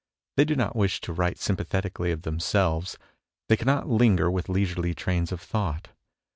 They do not wish to write sympathetically of themselves ; they cannot linger with leisurely trains of thought.